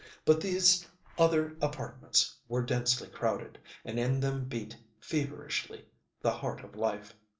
But these other apartments were densely crowded, and in them beat feverishly the heart of life.